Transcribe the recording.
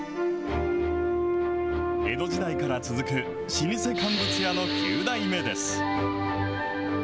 江戸時代から続く老舗乾物屋の９代目です。